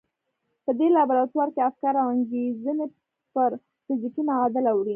په دې لابراتوار کې افکار او انګېرنې پر فزيکي معادل اوړي.